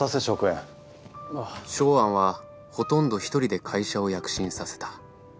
ショウアンはほとんど一人で会社を躍進させた。